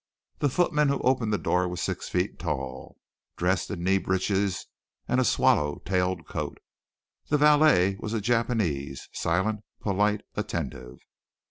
The footman who opened the door was six feet tall, dressed in knee breeches and a swallow tailed coat. The valet was a Japanese, silent, polite, attentive.